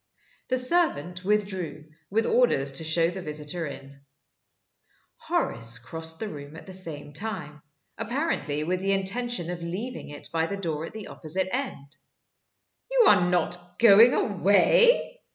The servant withdrew, with orders to show the visitor in. Horace crossed the room at the same time apparently with the intention of leaving it by the door at the opposite end. "You are not going away?"